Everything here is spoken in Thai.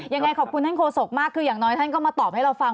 ยังไงขอบคุณท่านโฆษกมากคืออย่างน้อยท่านก็มาตอบให้เราฟัง